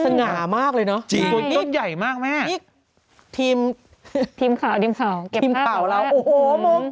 ลงสง่ามากเลยเนอะจริงสวนต้นใหญ่มากแม่ทีมเทียบข่าวแล้วโอ้โหมอง